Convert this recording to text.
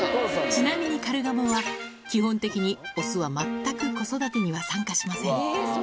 ちなみにカルガモは、基本的に雄は全く子育てには参加しません。